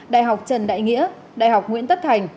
đại học trần đại nghĩa đại học nguyễn tất thành